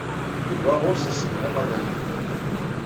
Yuba ɣur-s asedhu amaynut.